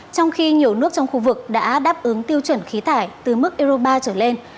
trong khi nhiều nước trong khu vực đã đáp ứng tiêu chuẩn khí thải từ mức euro ba trở lên